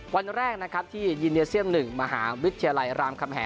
วันแรกนะครับที่ยินเนียเซียม๑มหาวิทยาลัยรามคำแหง